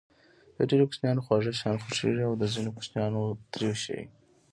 د ډېرو کوچنيانو خواږه شيان خوښېږي او د ځينو کوچنيانو تريؤ شی.